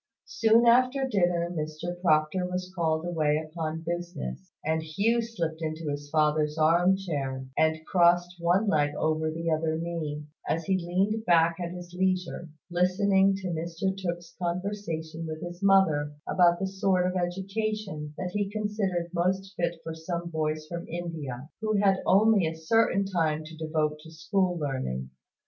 Soon after dinner Mr Proctor was called away upon business; and Hugh slipped into his father's arm chair, and crossed one leg over the other knee, as he leaned back at his leisure, listening to Mr Tooke's conversation with his mother about the sort of education that he considered most fit for some boys from India, who had only a certain time to devote to school learning.